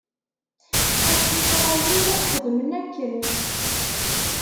At Isṛayil xedmen akken.